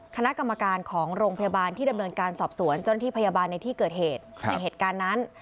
คณะกรรมการของโรงพยาบาลที่ดำเนินการสอบสวนเจ้าหน้าที่พยาบาลในที่เกิดเหตุในเหตุการณ์นั้น